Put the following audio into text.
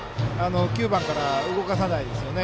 ９番から動かさないですよね。